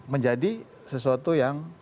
menjadi sesuatu yang